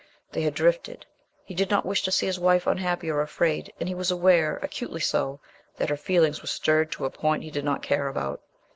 They had drifted. He did not wish to see his wife unhappy or afraid, and he was aware acutely so that her feelings were stirred to a point he did not care about.